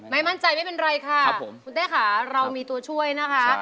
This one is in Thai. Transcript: ไม่มั่นใจไม่เป็นไรค่ะคุณเต้ค่ะเรามีตัวช่วยนะคะ